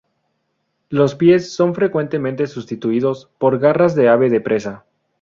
Los pies son frecuentemente sustituidos por garras de ave de presa.